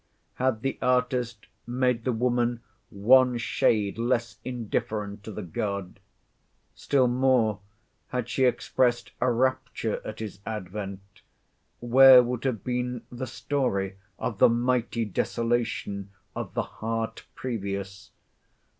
Had the artist made the woman one shade less indifferent to the God; still more, had she expressed a rapture at his advent, where would have been the story of the mighty desolation of the heart previous?